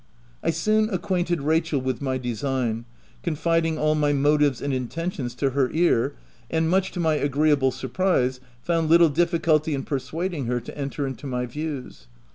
I soon acquainted Rachel with my design, confiding all my motives and intentions to her ear, and much to my agreeable surprise, found little difficulty in persuading her to enter into my views.